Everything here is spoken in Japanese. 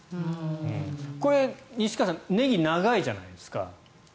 これ、西川さんネギは長いじゃないですか。